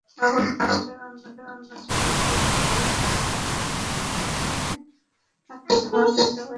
Abul master অন্যদের সহযোগিতায় ধারালো চাকু দিয়ে প্রথমে আকলিমাকে জবাই করেন।